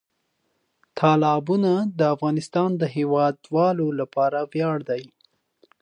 تالابونه د افغانستان د هیوادوالو لپاره ویاړ دی.